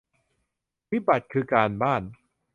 วิบัติคือการบ้าน